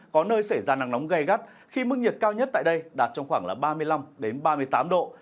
có nơi xảy ra nắng nóng gây gắt khi mức nhiệt cao nhất tại đây đạt trong khoảng ba mươi năm ba mươi tám độ